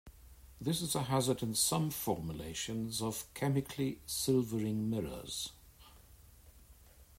This is a hazard in some formulations of chemically silvering mirrors.